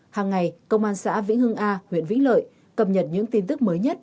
hàng ngày công an xã vĩnh hưng a huyện vĩnh lợi cập nhật những tin tức mới nhất